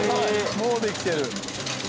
もうできてる。